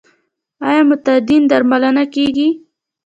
آیا معتادین درملنه کیږي؟